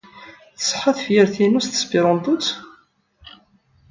Tṣeḥḥa tefyirt-inu s tesperantot?